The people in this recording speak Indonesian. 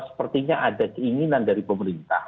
sepertinya ada keinginan dari pemerintah